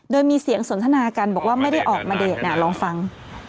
โดยมีเสียงสนทนากันบอกว่าไม่ได้ออกมาเดทลองฟัง